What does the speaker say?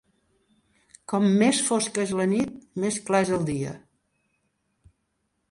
Com més fosca és la nit més clar és el dia.